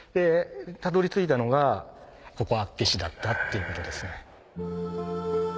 たどり着いたのがここ厚岸だったっていうことですね。